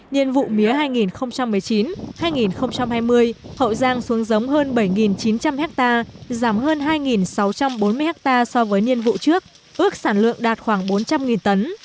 nhiên vụ mía hai nghìn một mươi chín hai nghìn hai mươi hậu giang xuống giống hơn bảy chín trăm linh hectare giảm hơn hai sáu trăm bốn mươi ha so với niên vụ trước ước sản lượng đạt khoảng bốn trăm linh tấn